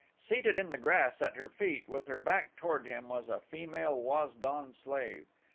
Seated in the grass at her feet, with her back toward him, was a female Waz don slave.